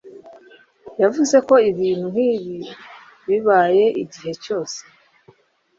yavuze ko ibintu nkibi bibaho igihe cyose.